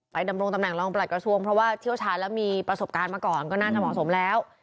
ดำรงตำแหรองประหลักกระทรวงเพราะว่าเชี่ยวชาญแล้วมีประสบการณ์มาก่อนก็น่าจะเหมาะสมแล้ว